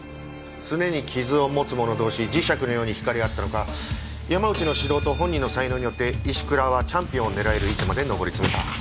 すねに傷を持つ者同士磁石のように惹かれ合ったのか山内の指導と本人の才能によって石倉はチャンピオンを狙える位置まで上り詰めた。